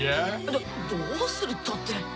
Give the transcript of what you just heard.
どどうするったって。